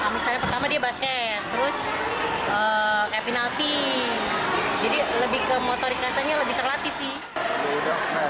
misalnya pertama dia basket terus penalti jadi lebih ke motorikasannya lebih terlatih sih